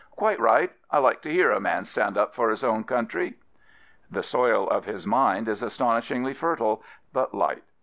" Quite right. I like to hear a man stand up for his own country." The soil of his mind is astonishingly fertile, but light.